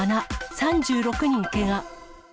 ３６人けが。